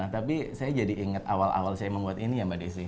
tapi saya jadi ingat awal awal saya membuat ini ya mbak desi